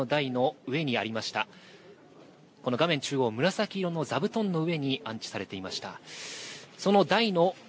中央紫色の座布団の上に安置されていました。